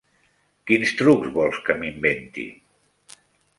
Quins trucs vols que m'inventi?